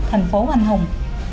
thành phố anh hùng